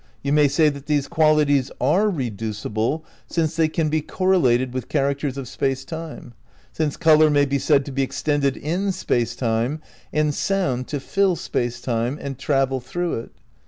You may say that these qualities are re ducible since they can be correlated with characters of space time, since colour may be said to be extended in space time and sound to fill space time, and travel through it.